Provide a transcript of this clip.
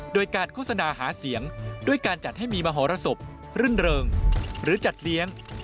โดยการโฆษณาหาเสียงด้วยการจัดให้มีมหรสบรื่นเริงหรือจัดเลี้ยง